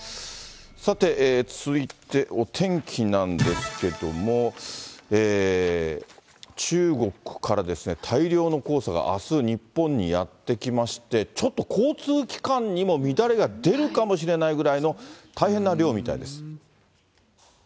さて、続いてお天気なんですけども、中国からですね、大量の黄砂があす、日本にやって来まして、ちょっと交通機関にも乱れが出るかもしれないぐらいの、大変な量みたいです。